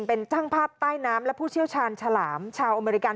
เป็นช่างภาพใต้น้ำและผู้เชี่ยวชาญฉลามชาวอเมริกัน